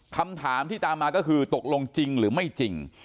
คำถามที่ตามมาก็คือตกลงจริงหรือไม่จริง